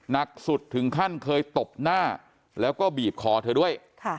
หนักสุดถึงขั้นเคยตบหน้าแล้วก็บีบคอเธอด้วย